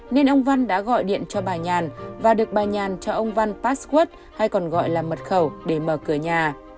nên ông văn đã gọi điện cho bà nhàn và được bà nhàn cho ông văn passwood hay còn gọi là mật khẩu để mở cửa nhà